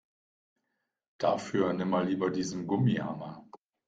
Dafür nimm mal lieber diesen Gummihammer.